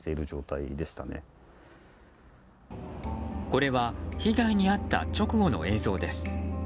これは被害に遭った直後の映像です。